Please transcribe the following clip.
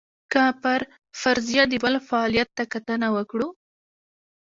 که پر فرضیه د بل فعالیت ته کتنه وکړو.